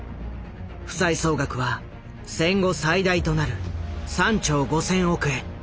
負債総額は戦後最大となる３兆５０００億円。